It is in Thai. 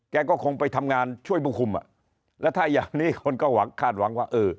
แกก็คงไปทำงานช่วยผู้คุมอ่ะแล้วถ้าอย่างนี้คนก็หวังคาดหวังว่าเออ